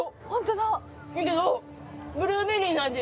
だけどブルーベリーの味